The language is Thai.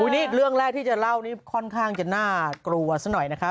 นี่เรื่องแรกที่จะเล่านี่ค่อนข้างจะน่ากลัวซะหน่อยนะคะ